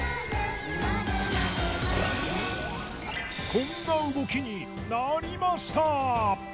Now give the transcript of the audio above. こんな動きになりました！